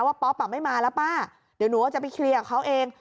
ป๊อปไม่มาแล้วป้าเดี๋ยวหนูว่าจะไปเคลียร์กับเขาเอง